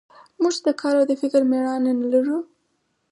موږ چې د کار او د فکر مېړانه نه لرو.